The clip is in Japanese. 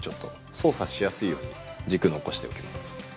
操作しやすいように軸残しておきます。